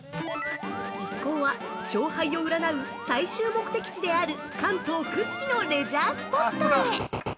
一行は勝敗を占う最終目的地である関東屈指のレジャースポットへ！